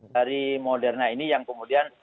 dari moderna ini yang kemudian